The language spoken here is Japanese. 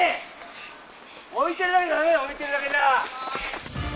おいてるだけじゃダメだおいてるだけじゃ。